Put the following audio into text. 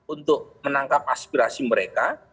untuk menangkap aspirasi mereka